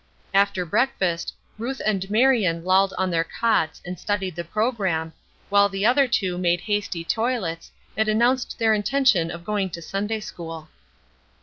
After breakfast Ruth and Marion lolled on their cots and studied the programme, while the other two made hasty toilets, and announced their intention of going to Sunday school.